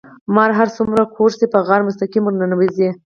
مار هر څومره کوږ شي په غار کې مستقيم ورننوزي.